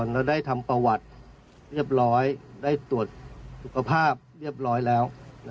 เราได้ทำประวัติเรียบร้อยได้ตรวจสุขภาพเรียบร้อยแล้ว